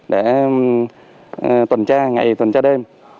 để tuần tra ngày tuần tra đêm